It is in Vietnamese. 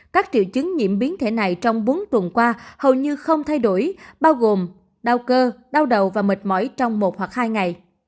các triệu chứng nhiễm biến thể này trong bốn tuần qua hầu như không thay đổi bao gồm đau cơ đau đầu và mệt mỏi trong một hoặc hai ngày